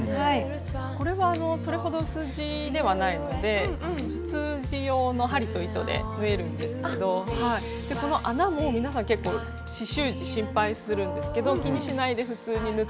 これはそれほど薄地ではないので普通地用の針と糸で縫えるんですけどこの穴も皆さん結構刺しゅう地心配するんですけど気にしないで普通に縫って頂けますね。